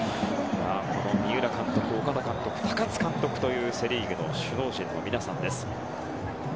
三浦監督、岡田監督高津監督というセ・リーグの首脳陣の皆さんです。